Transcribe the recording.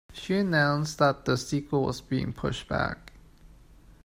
She announced that the sequel was being pushed back.